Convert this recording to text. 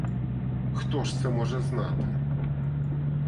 Хто ж це може знати?